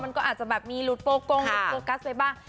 มันก็อาจจะแบบมีฤทธิ์โปรโก้งโฟกัสไปบ้าง